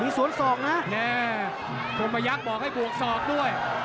มีสวนส่อกนะแน่คนมายักษ์บอกให้บวกส่อกด้วย